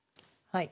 はい。